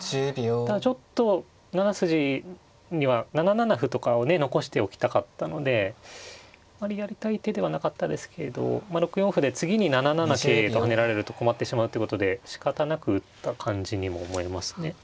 ただちょっと７筋には７七歩とかをね残しておきたかったのであんまりやりたい手ではなかったですけど６四歩で次に７七桂と跳ねられると困ってしまうということでしかたなく打った感じにも思えますね。